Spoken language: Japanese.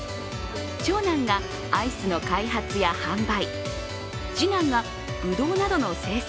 長男がアイスの開発や販売、次男がぶどうなどの生産、